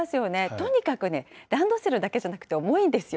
とにかくね、ランドセルだけじゃなくて重いんですよ。